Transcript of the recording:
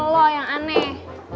loh yang aneh